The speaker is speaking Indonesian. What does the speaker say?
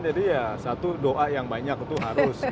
jadi ya satu doa yang banyak itu harus